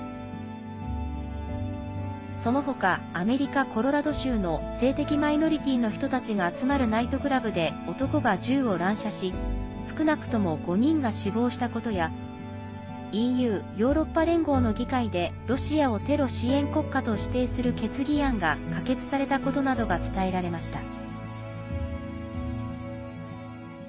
その他、アメリカ・コロラド州の性的マイノリティーの人たちが集まるナイトクラブで男が銃を乱射し少なくとも５人が死亡したことやＥＵ＝ヨーロッパ連合の議会でロシアをテロ支援国家と指定する決議案が可決されたことなどが伝えられました。